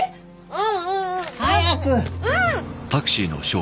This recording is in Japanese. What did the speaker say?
うんうん早くんー！